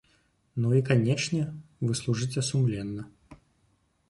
Ну, і, канечне, вы служыце сумленна.